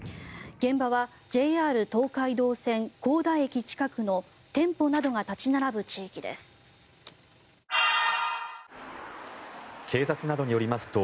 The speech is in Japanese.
現場はＪＲ東海道線幸田駅近くの店舗などが立ち並ぶ地域です。